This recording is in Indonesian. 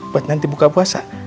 buat nanti buka puasa